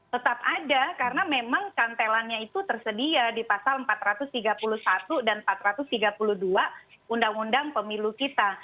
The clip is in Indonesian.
tetap ada karena memang kantelannya itu tersedia di pasal empat ratus tiga puluh satu dan empat ratus tiga puluh dua undang undang pemilu kita